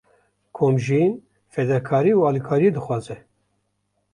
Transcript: Komjiyîn, fedakarî û alîkariyê dixwaze.